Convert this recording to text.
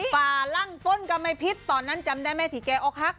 ป่าลั่งฟ้นก็ไม่พิษตอนนั้นจำได้แม่สีแกออกฮัก